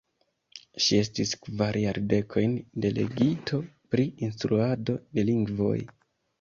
Ŝi estis kvar jardekojn delegito pri instruado de lingvoj.